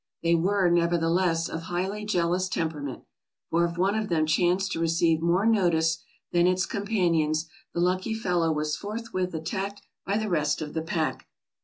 They were, nevertheless, of highly jealous temperament, for if one of them chanced to receive more notice than its companions, the lucky fellow was forthwith attacked by the rest of the pack.